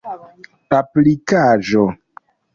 aplikaĵo